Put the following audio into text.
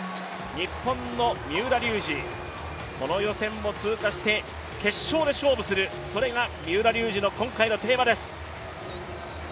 日本の三浦龍司、この予選も通過して決勝で勝負する、それが三浦龍司の今回のテーマです。